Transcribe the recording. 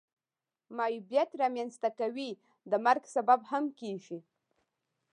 معیوبیت را منځ ته کوي د مرګ سبب هم کیږي.